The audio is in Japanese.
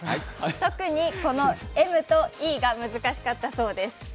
特にこのＭとＥが難しかったそうです。